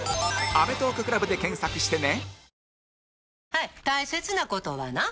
「アメトーーク ＣＬＵＢ」で検索してね